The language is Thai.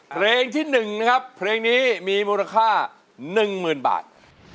เพลงที่๑นะครับเพลงนี้มีมูลค่า๑๐๐๐บาท